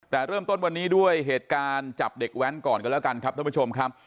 แต่เริ่มต้นวันนี้ด้วยเหตุการณ์จับเด็กแว้นก่อนกันแล้วกันครับท่านผู้ชมครับ